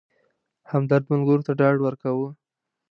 همدرد ملګرو ته ډاډ ورکاوه.